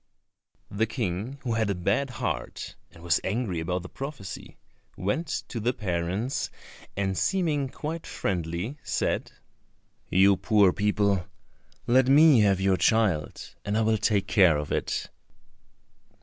The King, who had a bad heart, and was angry about the prophecy, went to the parents, and, seeming quite friendly, said, "You poor people, let me have your child, and I will take care of it."